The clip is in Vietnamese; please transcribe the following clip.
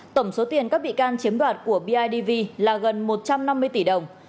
tổng số tiền các bị can chiếm đoạt của bidv là gần một trăm năm mươi tỷ đồng